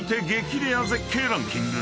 レア絶景ランキング